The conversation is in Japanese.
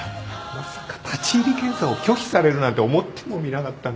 まさか立入検査を拒否されるなんて思ってもみなかった。